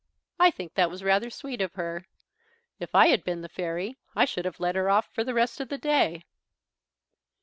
I think that was rather sweet of her; if I had been the fairy I should have let her off the rest of the day.